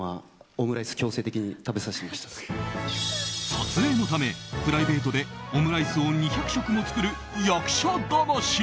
撮影のためプライベートでオムライスを２００食も作る役者魂。